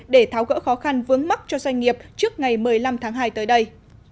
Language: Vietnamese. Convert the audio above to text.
để tháo gỡ khó khăn vướng mắt cho doanh nghiệp trước ngày một mươi năm tháng hai tới đây